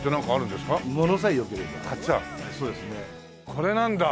これなんだ。